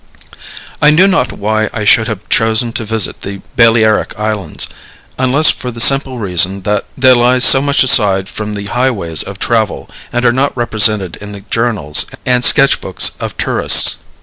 I knew not why I should have chosen to visit the Balearic Islands, unless for the simple reason that they lie so much aside from the highways of travel, and are not represented in the journals and sketch books of tourists.